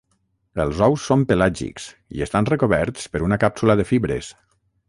Els ous són pelàgics i estan recoberts per una càpsula de fibres.